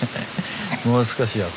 もう少しよ